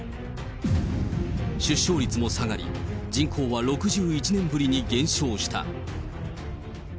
出生率も下がり、人口は６１年ぶりに減少した。